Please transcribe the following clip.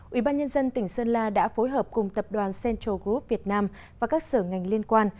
ủy ban nhân dân tỉnh sơn la đã phối hợp cùng tập đoàn central group việt nam và các sở ngành liên quan